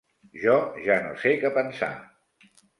Jo ja no sé què pensar.